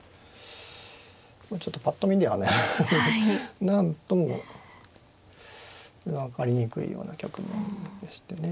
ちょっとぱっと見ではねなんとも分かりにくいような局面でしてね。